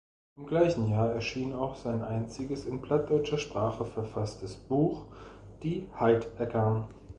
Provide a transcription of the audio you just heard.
Im gleichen Jahr erschien auch sein einziges in plattdeutscher Sprache verfasstes Buch, die "Heid-Ekkern".